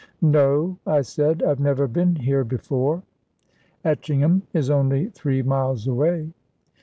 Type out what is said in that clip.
"No," I said, "I've never been here before." "Etchingham is only three miles away."